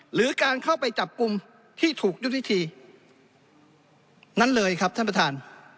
หรือการเข้าไปจับกลุ่มที่ถูกยุทธวิธีนั้นเลยครับท่านประธาน